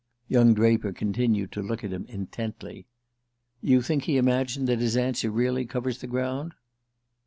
Young Draper continued to look at him intently. "You think he imagined that his answer really covers the ground?"